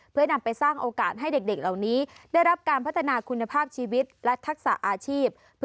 เพื่อนำไปสร้างโอกาสให้เด็กเหล่านี้ได้รับการพัฒนาคุณภาพชีวิตและทักษะอาชีพ